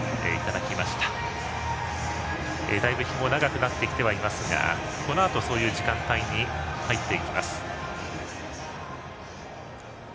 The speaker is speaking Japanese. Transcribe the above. だいぶ日も長くなってきてはいますがこのあと、そういう時間帯に入っていきます。